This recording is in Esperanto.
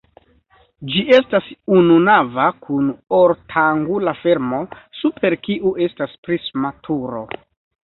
Ĝi estas ununava kun ortangula fermo, super kiu estas prisma turo.